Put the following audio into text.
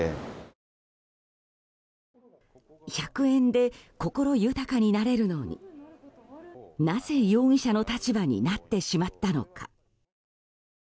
１００円で心豊かになれるのになぜ容疑者の立場になってしまったのか。